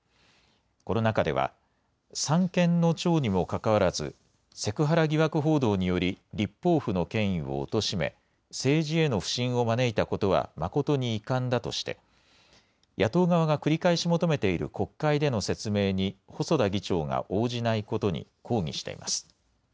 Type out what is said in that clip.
この中では、三権の長にもかかわらず、セクハラ疑惑報道により、立法府の権威をおとしめ、政治への不信を招いたことは誠に遺憾だとして、野党側か繰り返し求めている国会での説明に、細田議長が応じないことに抗議しています。